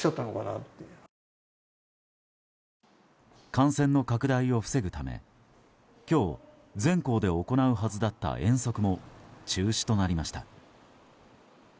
感染の拡大を防ぐため、今日全校で行うはずだった遠足も中止となりました。